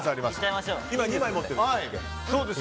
今２枚持ってますっけ。